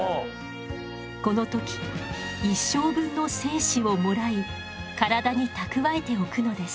この時一生分の精子をもらい体に蓄えておくのです。